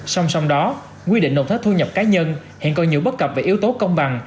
song song đó quy định nộp thuế thu nhập cá nhân hiện còn nhiều bất cập về yếu tố công bằng